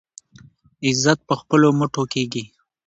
عزت په خپلو مټو کیږي.